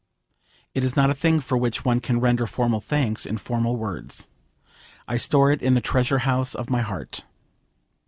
It is not a thing for which one can render formal thanks in formal words. I store it in the treasure house of my heart.